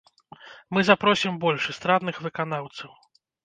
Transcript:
Мы запросім больш эстрадных выканаўцаў.